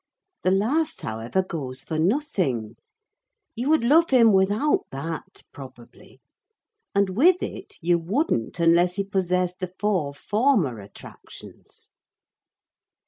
The last, however, goes for nothing: you would love him without that, probably; and with it you wouldn't, unless he possessed the four former attractions."